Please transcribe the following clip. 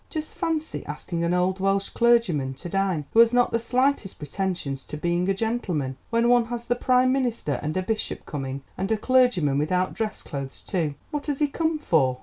Just fancy asking an old Welsh clergyman to dine, who has not the slightest pretensions to being a gentleman, when one has the Prime Minister and a Bishop coming—and a clergyman without dress clothes too. What has he come for?"